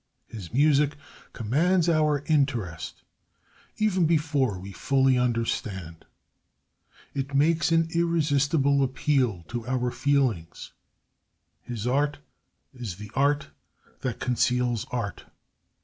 His music commands our interest even before we fully understand. It makes an irresistible appeal to our feelings. His art is the art that conceals art.